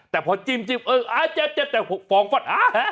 แต่พอจิ้มเจ็บแต่ฟองฟอด